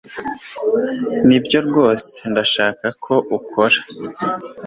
nibyo rwose ndashaka ko ukora